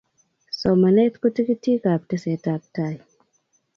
somanet ko tikitikab teseta ab tai